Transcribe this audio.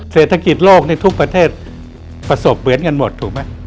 เศรษฐกิจโลกในทุกประเทศประสบเหมือนกันหมดถูกไหม